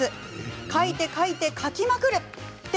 書いて書いて書きまくる！って